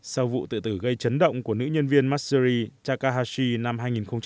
sau vụ tự tử gây chấn động của nữ nhân viên matsuri takahashi năm hai nghìn một mươi năm